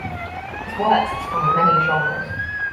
His works span many genres.